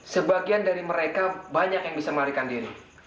sebagian dari mereka banyak yang bisa melarikan diri